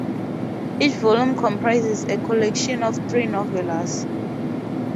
Each volume comprises a collection of three novellas.